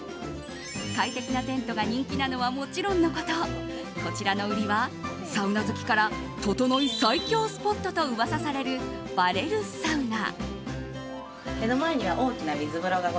快適なテントが人気なのはもちろんのことこちらの売りはサウナ好きからととのい最強スポットと噂される、バレルサウナ。